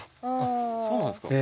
そうなんですか？